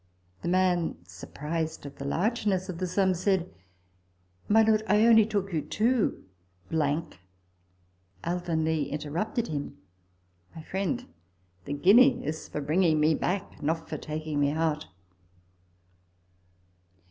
The man, surprised at the largeness of the sum, said, " My lord, I only took you to ." Alvanley interrupted him, " My friend, the guinea is for bringing me back, not for taking me out."